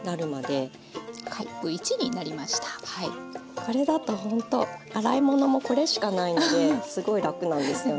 これだとほんと洗い物もこれしかないのですごい楽なんですよね。